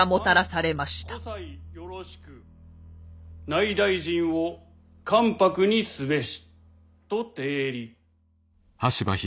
内大臣を関白にすべしとてえり。